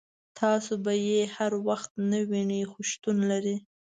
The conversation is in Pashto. تاسو به یې هر وخت نه وینئ خو شتون لري.